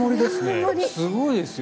すごいですよ。